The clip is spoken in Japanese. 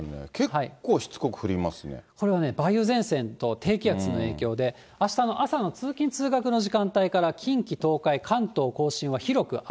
結構、しつここれはね、梅雨前線と低気圧の影響で、あしたの朝の通勤・通学の時間帯から、近畿、東海、関東甲信は広く雨。